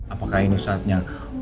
apakah ini saatnya